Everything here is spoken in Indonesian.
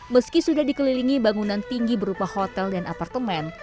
meski sudah dikelilingi bangunan tinggi berupa hotel dan apartemen